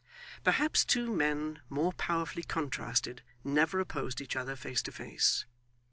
Perhaps two men more powerfully contrasted, never opposed each other face to face.